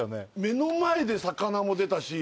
目の前で魚も出たし。